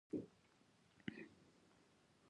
• ونه مرغانو ته ښه ژوند ورکوي.